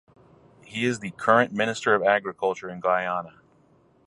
He is the current Minister of Agriculture in Guyana.